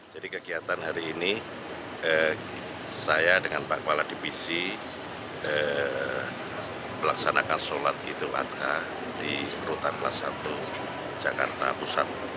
jadi kegiatan hari ini saya dengan pak kepala divisi melaksanakan sholat id bersama di rutan salemba jakarta pusat